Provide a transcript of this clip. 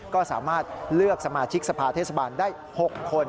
ก็สามารถเลือกสมาชิกสภาเทศบาลได้๖คน